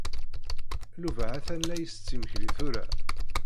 Yuba ha-t-an la isett imekli tura.